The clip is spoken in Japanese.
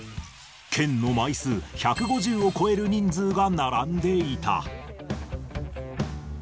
券の枚数、１５０を超える人数が並んでいた。